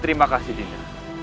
terima kasih dinda